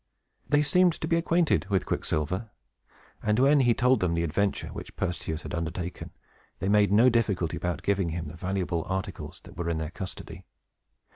They seemed to be acquainted with Quicksilver; and, when he told them the adventure which Perseus had undertaken, they made no difficulty about giving him the valuable articles that were in their custody.